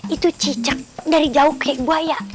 itu cicak dari jauh kayak buaya